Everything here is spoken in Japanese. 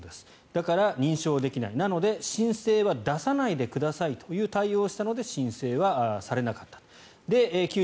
だから認証できない、なので申請は出さないでくださいという対応をしたので申請はされなかったと。